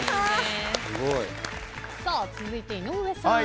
さあ続いて井上さん。